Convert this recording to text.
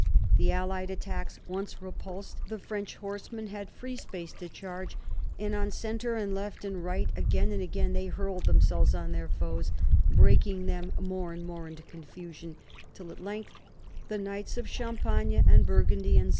The allied attacks once repulsed, the French horsemen had free space to charge, and on centre and left and right again and again they hurled themselves on their foes, breaking them more and more into confusion, till at length the knights of Champagne and Burgundy and S.